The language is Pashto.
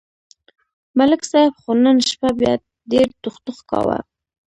ملک صاحب خو نن شپه بیا ډېر ټوخ ټوخ کاوه